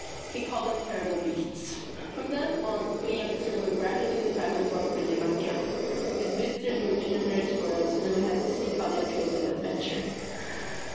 He called them terrible beasts. From then on we youngsters were gradually deprived of our freedom at camp. These visitors were too numerous for us and we had to seek other fields of adventure.